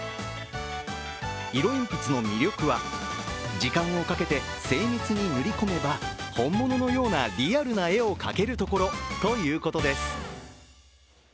色鉛筆の魅力は時間を掛けて精密に塗り込めば本物のようなリアルな絵を描けるところということです。